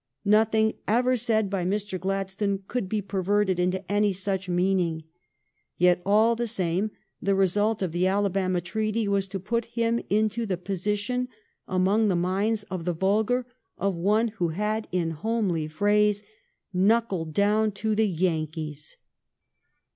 Nothing ever said by Mr. Gladstone could be perverted into any such meaning. Yet, all the same, the result of the Alabama treaty was to put him into the position, among the minds of the vulgar, of one who had, in homely phrase, knuckled down to the Yankees."